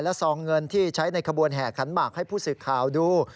และซองเงินที่ใช้ในกระบวนแห่ขันบากให้ปุศึคาวดู